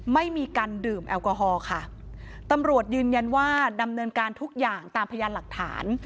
ไม่มีการดื่มแอลกอฮอล์ค่ะตำรวจยืนยันว่าดำเนินการทุกอย่างตามพยานหลักฐาน